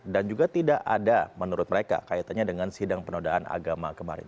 dan juga tidak ada menurut mereka kaitannya dengan sidang penodaan agama kemarin